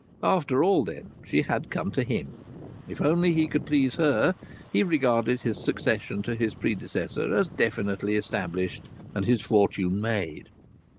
After all, then, she had come to him! If only he could please her, he regarded his succession to his predecessor as definitely established and his fortune made.